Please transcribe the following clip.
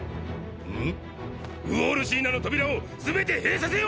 ん⁉ウォール・シーナの扉をすべて閉鎖せよ！！